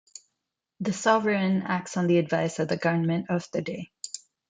The sovereign acts on the advice of the government of the day.